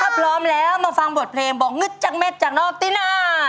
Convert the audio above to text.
ถ้าพร้อมแล้วมาฟังบทเพลงบอกงึดจังเม็ดจากนอกตินา